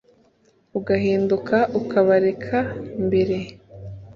ugahinduka ukaba’reka mbarere’